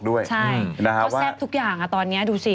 ก็แซ่บทุกอย่างตอนนี้ดูสิ